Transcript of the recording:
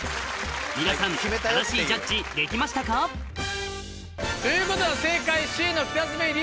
皆さん正しいジャッジできましたか？ということは正解Ｃの北爪凜々選手。